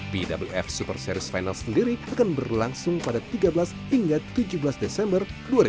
bwf super series final sendiri akan berlangsung pada tiga belas hingga tujuh belas desember dua ribu dua puluh